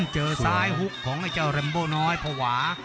เจอไซด์ฮุกของไอ้เจ้ารันโบน้อยพ่อหวา